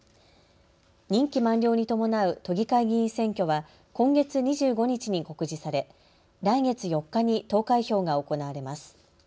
任期満了に伴う都議会議員選挙は今月２５日に告示され来月４日に投開票が行われます。